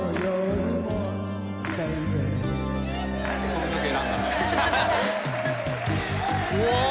何でこの曲選んだんだろう？